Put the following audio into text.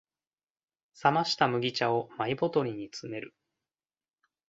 冷ました麦茶をマイボトルに詰める